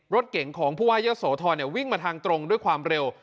รถเก่งของผู้ว่าเยอะโสธรวิ่งมาทางตรงด้วยความเร็ว